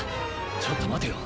ちょっと待てよ。